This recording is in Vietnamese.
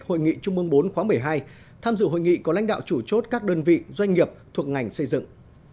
hội nghị trung mương bốn khóa một mươi hai tham dự hội nghị có lãnh đạo chủ chốt các đơn vị doanh nghiệp thuộc ngành xây dựng